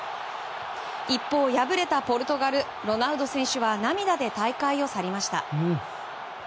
一方、敗れたポルトガルロナウド選手は涙で大会を去りました。